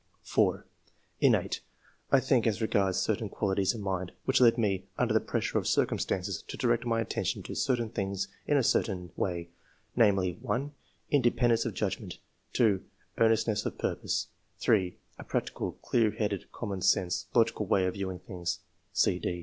e) (4) •* Innate, I think, as regards certain quali ties of mind, which led me, under the pressure of circumstances, to direct my attention to certain things in a certain way, namely, (1) independence of judgment ; (2) earnestness of purpose ; (3) a practical, clear headed, common sense, logical way of viewing things."